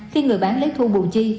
khi người bán lấy thu bù chi